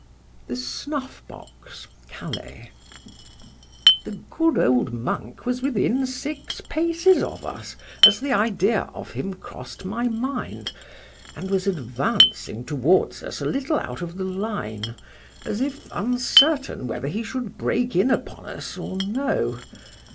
THE SNUFF BOX. CALAIS. THE good old monk was within six paces of us, as the idea of him crossed my mind; and was advancing towards us a little out of the line, as if uncertain whether he should break in upon us or no.